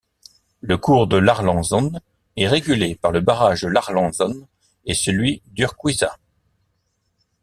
Le cours de l'Arlanzón est régulé par le barrage de l'Arlanzón et celui d'Urquiza.